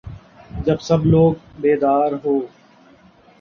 جب سب لوگ بیدار ہو